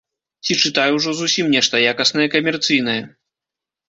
Ці чытаю ўжо зусім нешта якаснае камерцыйнае.